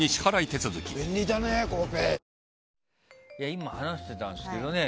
今、話してたんですけどね。